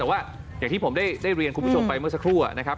แต่ว่าอย่างที่ผมได้เรียนคุณผู้ชมไปเมื่อสักครู่นะครับ